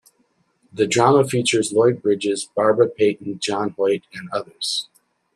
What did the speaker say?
The drama features Lloyd Bridges, Barbara Payton, John Hoyt, and others.